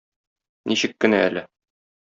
Ничек кенә әле!